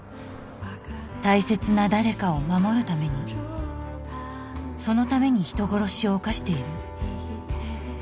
大切な誰かを守るためにそのために人殺しを犯している？